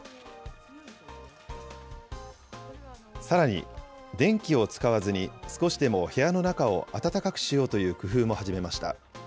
さらに、電気を使わずに、少しでも部屋の中を暖かくしようという工夫も始めました。